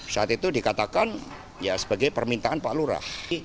saat itu dikatakan sebagai permintaan pak lura